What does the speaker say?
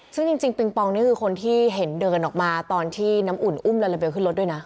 ซึ่งจริงปิงปองนี่คือคนที่เห็นเดินออกมาตอนที่น้ำอุ่นอุ้มลาลาเบลขึ้นรถด้วยนะ